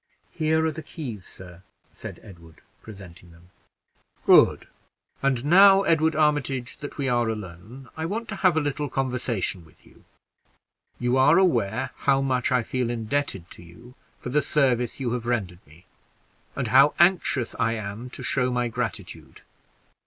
"Here are the keys, sir," said Edward, presenting them. "Good. And now, Edward Armitage, that we are alone, I want to have a little conversation with you. You are aware how much I feel indebted to you for the service you have rendered me, and how anxious I am to show my gratitude.